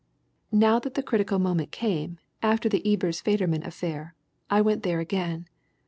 Now that the critical moment came, after the Ebers Federman affair, I went there again.